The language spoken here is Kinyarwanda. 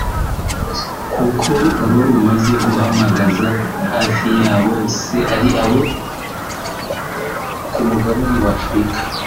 kuko mu bo rumaze guhamagaza hafi ya bose ari abo ku mugabane w’Afurika